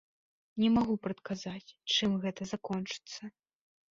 Не магу прадказаць, чым гэта закончыцца.